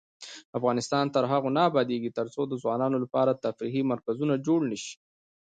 افغانستان تر هغو نه ابادیږي، ترڅو د ځوانانو لپاره تفریحي مرکزونه جوړ نشي.